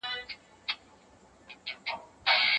هوا به احساسات شریک کړي.